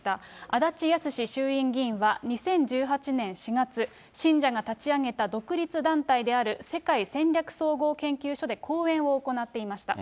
足立康史衆院議員は、２０１８年４月、信者が立ち上げた独立団体である世界戦略総合研究所で講演を行っていました。